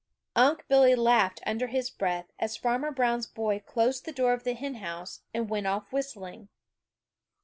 Unc' Billy laughed under his breath as Farmer Brown's boy closed the door of the hen house and went off whistling.